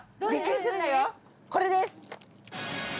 これです。